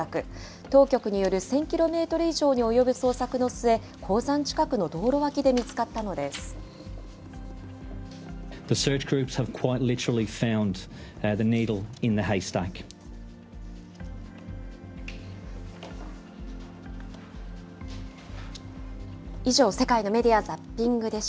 当局による１０００キロメートル以上に及ぶ捜索の末、鉱山近くの道路脇で見つかったのです。